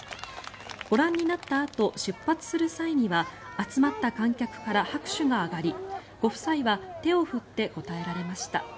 ご覧になったあと出発する際には集まった観客から拍手が上がりご夫妻は手を振って応えられました。